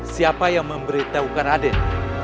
siapa yang memberitahukan adik